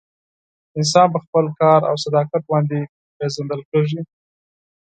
انسان په خپل کار او صداقت باندې پیژندل کیږي.